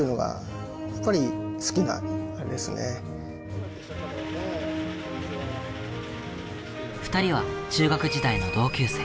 中でも２人は中学時代の同級生。